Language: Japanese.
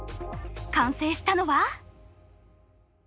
完成したのは！